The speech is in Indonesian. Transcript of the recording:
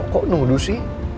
kok nuduh sih